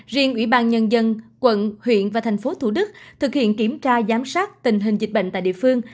riêng ủy ban nhân dân quận huyện và thành phố thủ đức thực hiện kiểm tra giám sát tình hình dịch bệnh tại địa phương